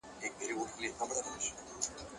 شعرونه نور ورته هيڅ مه ليكه’